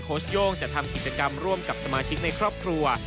ชโย่งจะทำกิจกรรมร่วมกับสมาชิกในครอบครัว